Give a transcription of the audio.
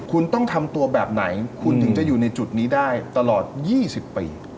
คุณต้องทำตัวแบบไหนคุณถึงจะอยู่ในจุดนี้ได้ตลอด๒๐ปี